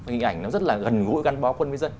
hình ảnh nó rất là gần gũi gắn bó quân với dân